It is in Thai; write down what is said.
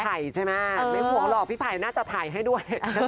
ใช่ไหมไม่ห่วงหรอกพี่ไผ่น่าจะถ่ายให้ด้วย